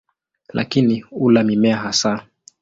Lakini hula mimea hasa.